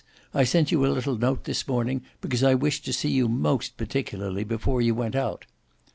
I sent you a little note this morning, because I wished to see you most particularly before you went out.